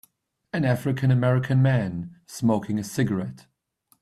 An African American man smoking a cigarette.